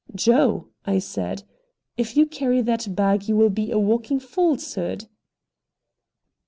"Joe," I said, "if you carry that bag you will be a walking falsehood."